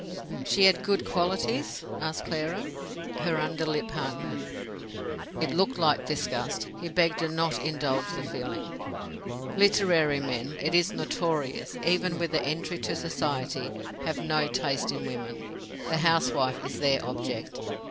"She had good qualities?" asked Clara. Her under lip hung. It looked like disgust; he begged her not indulge the feeling. "Literary men, it is notorious, even with the entry to society, have no taste in women. The housewife is their object.